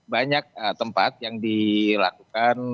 banyak tempat yang dilakukan